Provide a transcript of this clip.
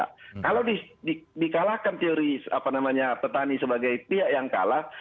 kalau dikalahkan teori petani sebagai pihak yang kalah